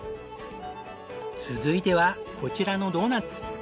続いてはこちらのドーナツ。